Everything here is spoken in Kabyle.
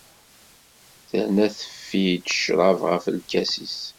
Terna teffi-d ccṛab ɣer lkas-is.